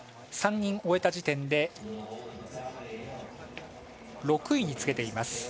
３人終えた時点で６位につけています。